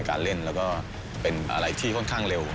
การเล่นแล้วก็เป็นอะไรที่ค่อนข้างเร็ว